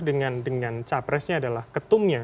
dengan capresnya adalah ketumnya